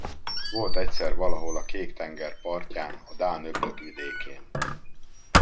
Volt egyszer valahol a kék tenger partján, a dán öblök vidékén...